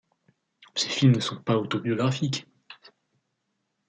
Ses films ne sont pas autobiographiques.